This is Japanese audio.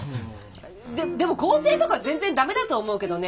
ででも構成とか全然ダメだと思うけどね。